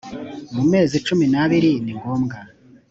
mu mezi cumi n abiri ni ngombwa